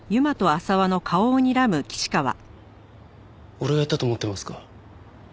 俺がやったと思ってますか？